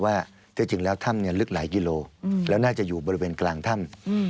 ว่าที่จริงแล้วถ้ำลึกหลายกิโลแล้วน่าจะอยู่บริเวณกลางถ้ำ